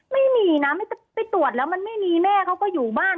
ไม่มีนะไปตรวจแล้วมันไม่มีแม่เขาก็อยู่บ้าน